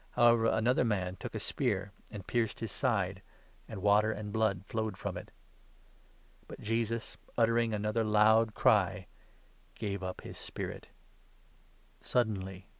[However another man took a spear, and pierced his side ; and water and blood flowed from it.] But Jesus, uttering 50 another loud cry, gave up his spirit. Suddenly the 51 « Ps. 69. 21. 35 ps.